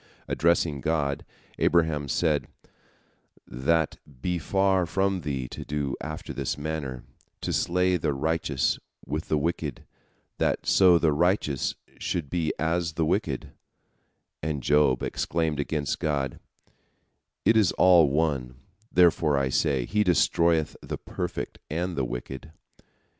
Addressing God, Abraham said, "That be far from Thee to do after this manner, to slay the righteous with the wicked, that so the righteous should be as the wicked," and Job exclaimed against God, "It is all one; therefore I say, He destroyeth the perfect and the wicked."